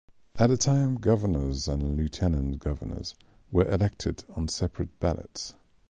At that time governors and lieutenant governors were elected on separate ballots.